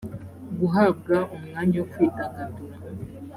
guhabwa umwanya wo kwidagadura